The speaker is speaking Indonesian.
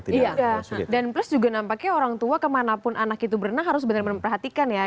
iya dan plus juga nampaknya orang tua kemanapun anak itu berenang harus benar benar memperhatikan ya